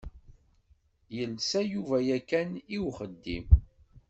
Yelsa Yuba yakan i uxeddim.